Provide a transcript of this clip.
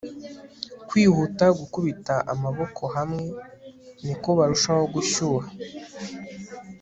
kwihuta gukubita amaboko hamwe, niko barushaho gushyuha